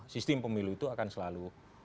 sistem pemilu itu akan selalu